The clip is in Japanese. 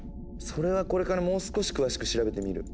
それはこれからもう少し詳しく調べてみる。